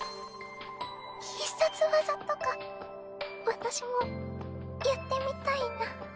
必殺技とか私もやってみたいな。